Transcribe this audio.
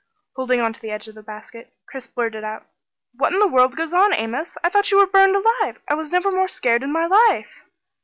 Holding on to the edge of the basket, Chris blurted out: "What in the world goes on, Amos? I thought you were burned alive! I was never more scared in my life!"